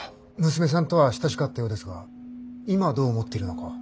娘さんとは親しかったようですが今どう思っているのかは。